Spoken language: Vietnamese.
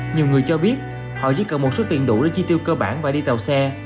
nhiều người cho biết họ chỉ cần một số tiền đủ để chi tiêu cơ bản và đi tàu xe